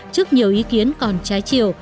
trước nhiều ý kiến còn trái chiều